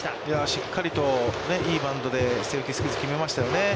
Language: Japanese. しっかりといいバントでセーフティースクイズを決めましたよね。